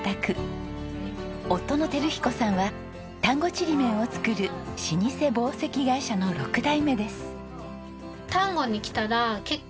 夫の輝彦さんは丹後ちりめんを作る老舗紡績会社の六代目です。